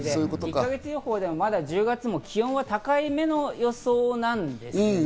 １か月予報ではまだ１０月も気温は高めの予想なんですね。